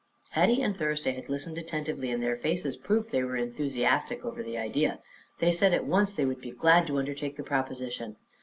Hetty and Thursday had listened attentively and their faces proved they were enthusiastic over the idea. They said at once they would be glad to undertake the proposition.